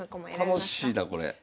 楽しいなこれ。